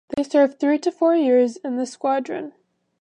They serve three to four years in the squadron.